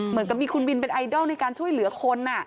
เหมือนกับมีคุณบินเป็นไอดอลในการช่วยเหลือคน